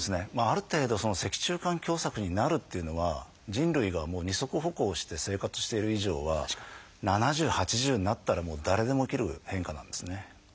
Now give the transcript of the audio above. ある程度脊柱管狭窄になるというのは人類が二足歩行をして生活している以上は７０８０になったら誰でも起きる変化なんですね。